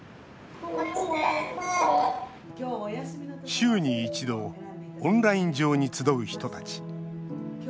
週に一度オンライン上に集う人たち。